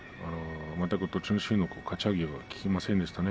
全く、栃ノ心のかち上げが効きませんでしたね。